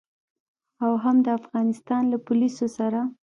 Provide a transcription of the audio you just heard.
او هم د افغانستان له پوليسو سره.